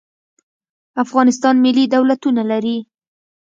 افغانستان ملي دولتونه لري.